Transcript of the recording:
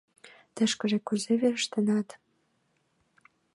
— Тышкыже кузе верештынат?